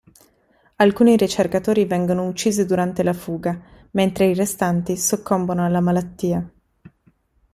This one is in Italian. Alcuni ricercatori vengono uccisi durante la fuga, mentre i restanti soccombono alla malattia.